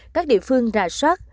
các địa phương rà soát